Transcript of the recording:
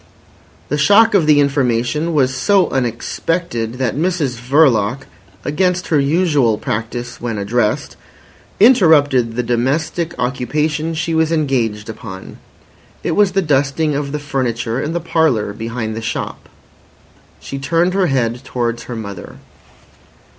The shock of the information was so unexpected that Mrs Verloc, against her usual practice when addressed, interrupted the domestic occupation she was engaged upon. It was the dusting of the furniture in the parlour behind the shop. She turned her head towards her mother.